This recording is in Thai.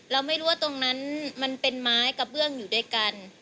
เราไม่รู้ว่าตรงนั้นมันเป็นไม้กระเบื้องอยู่ด้วยกัน